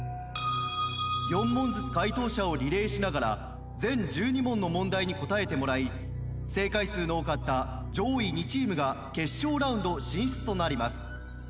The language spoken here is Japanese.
４問ずつ解答者をリレーしながら全１２問の問題に答えてもらい正解数の多かった上位２チームが決勝ラウンド進出となります。